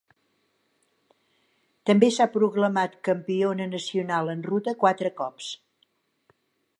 També s'ha proclamat campiona nacional en ruta quatre cops.